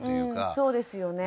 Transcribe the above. そうですよね。